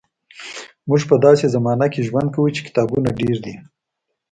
موږ په داسې زمانه کې ژوند کوو چې کتابونه ډېر دي.